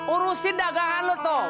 urusin dagangan lu tuh